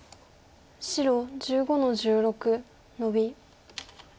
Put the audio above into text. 白１５の十六ノビ。